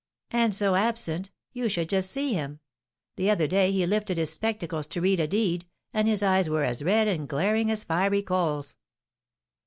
"And so absent; you should just see him. The other day he lifted his spectacles to read a deed, and his eyes were as red and glaring as fiery coals."